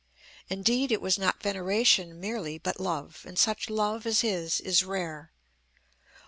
Indeed it was not veneration merely but love; and such love as his is rare.